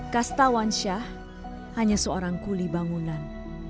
kastawan syah hanya seorang kuli bangunan